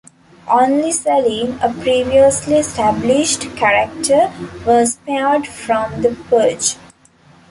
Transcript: Only Selene, a previously established character, was spared from the purge.